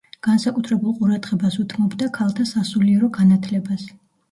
განსაკუთრებულ ყურადღებას უთმობდა ქალთა სასულიერო განათლებას.